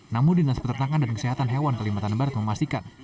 namun dinas peternakan dan kesehatan hewan kalimantan barat memastikan